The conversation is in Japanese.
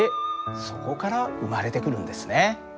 そこから生まれてくるんですね。